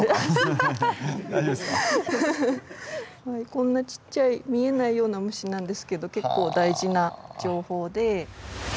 こんなちっちゃい見えないような虫なんですけど結構大事な情報で。